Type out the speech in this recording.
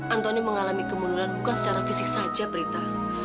antoni mengalami keurunan bukan secara fisik saja prita